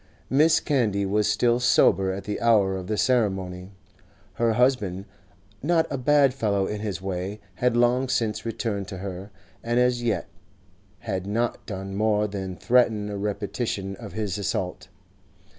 Mrs. Candy was still sober at the hour of the ceremony. Her husband, not a bad fellow in his way, had long since returned to her, and as yet had not done more than threaten a repetition of his assault.